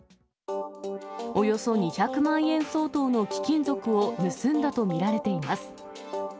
およそ２００万円相当の貴金属を盗んだと見られています。